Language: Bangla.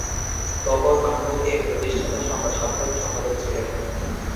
তপন মাহমুদ এর প্রতিষ্ঠাতা সাধারণ সম্পাদক ছিলেন।